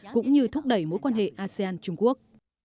cũng như thúc đẩy mối quan hệ asean trung quốc